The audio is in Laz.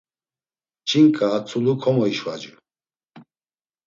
Ç̌inǩa a tzulu komoişvacu.